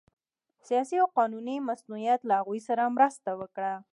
سیاسي او قانوني مصونیت له هغوی سره مرسته وکړه